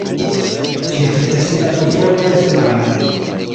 Ĝi estis presita dufoje semajne.